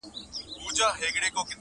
داسي وسوځېدم ولاړم لکه نه وم چا لیدلی -